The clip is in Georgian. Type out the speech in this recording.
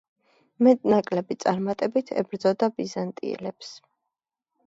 მეტ-ნაკლები წარმატებით ებრძოდა ბიზანტიელებს.